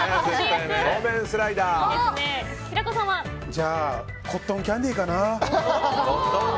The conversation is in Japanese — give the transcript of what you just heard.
じゃあコットンキャンディーかな。